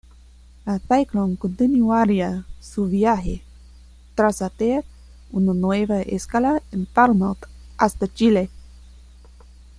La "Cyclone" continuaría su viaje, tras hacer una nueva escala en Falmouth, hasta Chile.